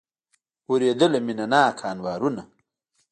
اورېدله مینه ناکه انوارونه